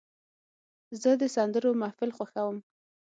زه د سندرو محفل خوښوم.